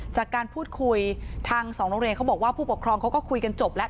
จากการพูดคุยทางสองโรงเรียนเขาบอกว่าผู้ปกครองเขาก็คุยกันจบแล้ว